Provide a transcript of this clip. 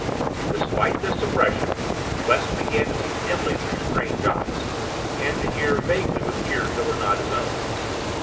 Despite this suppression, Quest began to see dimly through strange eyes, and to hear vaguely with ears that were not his own.